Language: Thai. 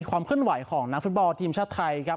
ความเคลื่อนไหวของนักฟุตบอลทีมชาติไทยครับ